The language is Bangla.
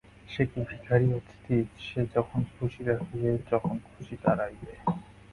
সে কি ভিখারী অতিথি, যে যথন খুসী রাখিবে, যখন খুসী তাড়াইবে?